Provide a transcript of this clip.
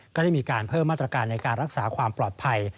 ก็ได้มีการเพิ่มมาตรการในการรักษาความปลอดภัย